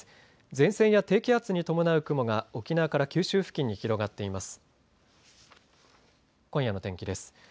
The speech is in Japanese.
前線や低気圧に伴う雲が沖縄から九州付近に広がっています。